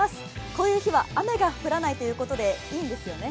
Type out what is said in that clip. こういう日は雨が降らないということでいいんですよね？